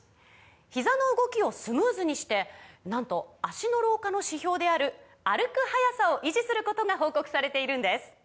ひざの動きをスムーズにしてなんと脚の老化の指標である歩く速さを維持することが報告されているんです